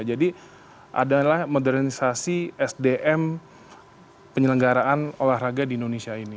jadi adalah modernisasi sdm penyelenggaraan olahraga di indonesia ini